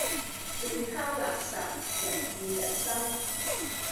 亂拋垃圾，人見人憎